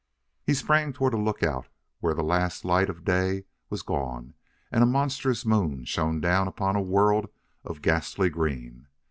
He sprang toward a lookout where the last light of day was gone and a monstrous moon shone down upon a world of ghastly green.